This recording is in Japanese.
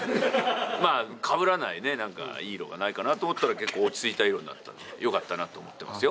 まあ、かぶらない、なんかいい色がないかなと思ったら、結構落ち着いた色になったんで、よかったなと思ってますよ。